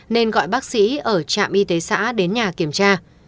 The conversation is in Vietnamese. nên gọi bác sĩ ở trạm y tế xã đến nhà kiểm tra